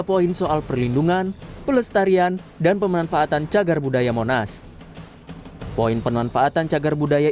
poin soal perlindungan pelestarian dan pemanfaatan cagar budaya monas poin pemanfaatan cagar budaya